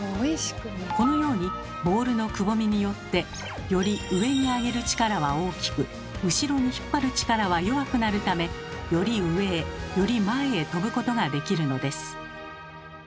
このようにボールのくぼみによってより上にあげる力は大きく後ろに引っ張る力は弱くなるためより上へより前へ飛ぶことができるのです。